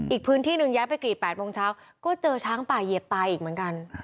อีกพื้นที่หนึ่งย้ายไปกรีด๘โมงเช้าก็เจอช้างป่าเหยียบตายอีกเหมือนกัน